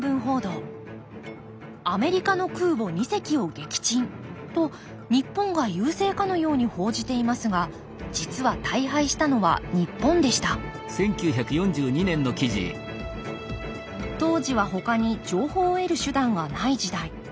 「アメリカの空母二隻を撃沈」と日本が優勢かのように報じていますが実は大敗したのは日本でした当時はほかに情報を得る手段がない時代。